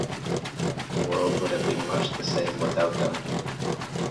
The world would have been much the same without them.